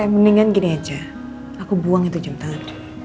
mendingan gini aja aku buang itu jam tangan